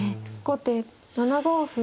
後手７五歩。